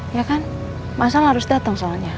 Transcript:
ya kan masalah harus datang soalnya